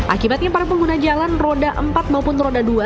akibatnya para pengguna jalan roda empat maupun roda dua